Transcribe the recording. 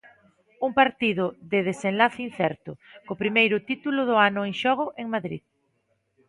Un partido de desenlace incerto, co primeiro título do ano en xogo en Madrid.